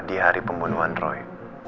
di hari pembunuhan roy